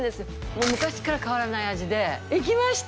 もう昔から変わらない味で行きました？